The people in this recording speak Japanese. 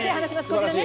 こちらね！